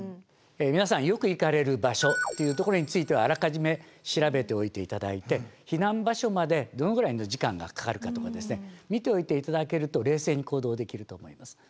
皆さんよく行かれる場所っていうところについてはあらかじめ調べておいて頂いて避難場所までどのぐらいの時間がかかるかとか見ておいて頂けると冷静に行動できると思います。